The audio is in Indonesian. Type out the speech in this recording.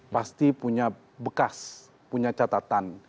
pasti punya bekas punya catatan